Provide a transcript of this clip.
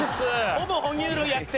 ほぼほ乳類やって！